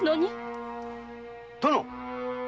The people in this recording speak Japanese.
・殿！